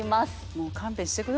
もう勘弁してくださいよ